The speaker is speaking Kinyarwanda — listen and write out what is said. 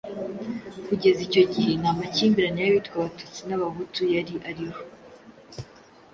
Kugeza icyo gihe nta makimbirane y'abitwa Abatutsi cyangwa Abahutu yari ariho.